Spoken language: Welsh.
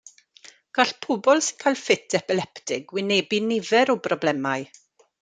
Gall pobl sy'n cael ffit epileptig wynebu nifer o broblemau.